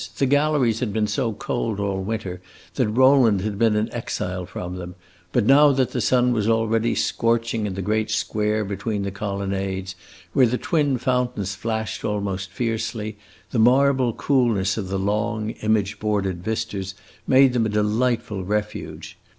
The galleries had been so cold all winter that Rowland had been an exile from them; but now that the sun was already scorching in the great square between the colonnades, where the twin fountains flashed almost fiercely, the marble coolness of the long, image bordered vistas made them a delightful refuge.